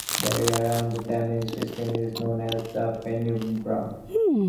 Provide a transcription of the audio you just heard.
The area around the damaged ischemia is known as the penumbra.